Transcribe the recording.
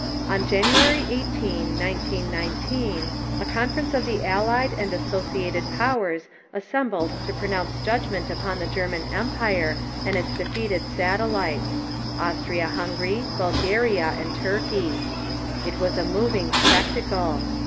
= On January 18, 1919, a conference of the Allied and Associated Powers assembled to pronounce judgment upon the German empire and its defeated satellites: Austria Hungary, Bulgaria, and Turkey. It was a moving spectacle.